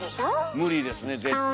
無理ですね絶対。